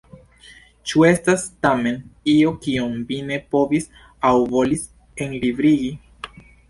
Ĉu estas tamen io kion vi ne povis aŭ volis enlibrigi?